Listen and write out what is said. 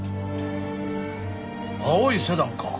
青いセダンか。